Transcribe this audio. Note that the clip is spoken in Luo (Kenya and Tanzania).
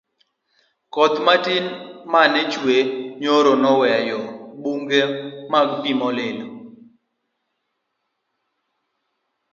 koth matin mane ochwe nyoro noweyo buche mag pi molil